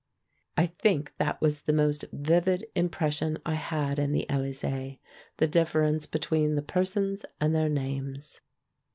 I think that was the most vivid impression I had in the Elysee — the difference between the persons and their names.